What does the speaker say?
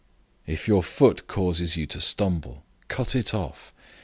009:045 If your foot causes you to stumble, cut it off.